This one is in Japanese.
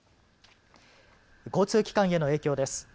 交通機関への影響です。